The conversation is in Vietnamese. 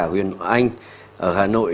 huyền anh ở hà nội